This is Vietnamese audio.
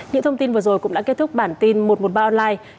những thông tin vừa rồi cũng đã kết thúc bản tin một trăm một mươi ba online